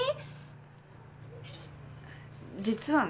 実はね